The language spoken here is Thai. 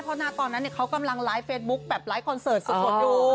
เพราะหน้าตอนนั้นเขากำลังไลฟ์เฟซบุ๊คแบบไลค์คอนเสิร์ตสุดอยู่